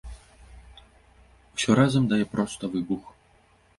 Усё разам дае проста выбух!